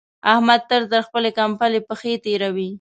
احمد تل تر خپلې کمبلې پښې تېروي.